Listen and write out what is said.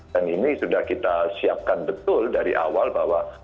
dan ini sudah kita siapkan betul dari awal bahwa